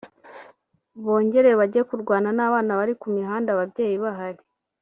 bongere bajye kurwana n’abana bari ku mihanda ababyeyi bahari